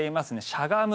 しゃがむ。